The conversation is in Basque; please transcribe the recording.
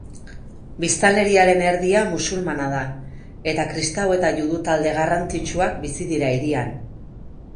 Biztanleriaren erdia musulmana da, eta kristau eta judu talde garrantzitsuak bizi dira hirian